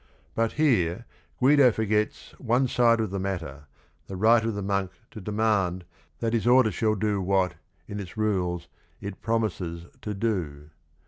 But here Guido forgets one side of the matter, the right of the monk to demand that his order shall do what, in its rules, it promises to do.